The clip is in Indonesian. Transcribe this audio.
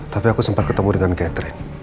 tapi aku sempat ketemu dengan catherine